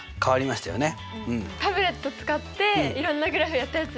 タブレット使っていろんなグラフをやったやつ。